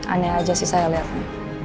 aneh aja sih saya lihatnya